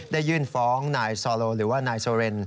ยื่นฟ้องนายซอโลหรือว่านายโซเรน